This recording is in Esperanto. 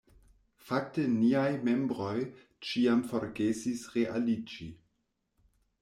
Fakte niaj membroj ĉiam forgesis re-aliĝi.